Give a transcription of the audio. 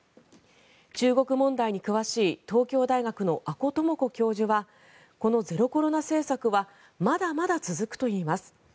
中国問題に詳しい東京大学の阿古智子教授はこのゼロコロナ政策はまだまだ続くといいます。